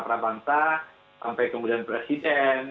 prabangsa sampai kemudian presiden